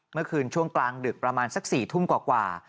เมื่อคืนช่วงกลางดึกประมาณสัก๔ทุ่มกว่า